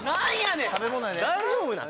大丈夫なん？